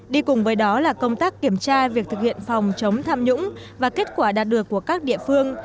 đi cùng với đó là công tác kiểm tra việc thực hiện phòng chống tham nhũng và kết quả đạt được của các địa phương